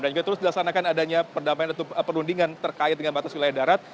dan juga terus dilaksanakan adanya perundingan terkait dengan batas wilayah darat